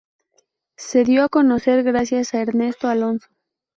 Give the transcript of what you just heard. Se dio a conocer gracias a Ernesto Alonso.